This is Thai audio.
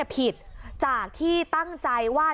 ผิดจากที่ตั้งใจว่า